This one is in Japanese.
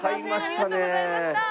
買いましたね。